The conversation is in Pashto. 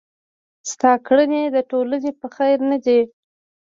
ستا کړني د ټولني په خير نه دي.